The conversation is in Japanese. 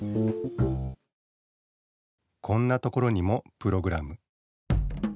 こんなところにもプログラム